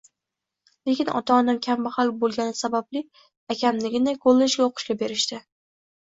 Lekin ota-onam kambagʻal boʻlgani sababli akamnigina kollejga oʻqishga berishdi…